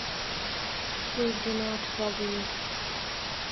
We do not forgive.